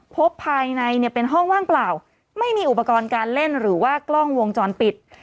พบภายในเนี่ยเป็นห้องว่างเปล่าไม่มีอุปกรณ์การเล่นหรือว่ากล้องวงจรปิด